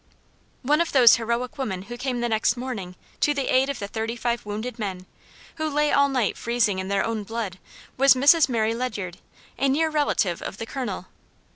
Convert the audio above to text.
One of those heroic women who came the next morning to the aid of the thirty five wounded men, who lay all night freezing in their own blood, was Mrs. Mary Ledyard, a near relative of the Colonel.